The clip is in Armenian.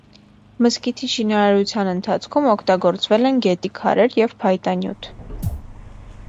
Մզկիթի շինարարության ընթացքում օգտագործվել են գետի քարեր և փայտանյութ։